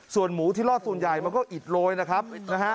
ส่วนหมูที่รอดส่วนใหญ่มันก็อิดโรยนะครับนะฮะ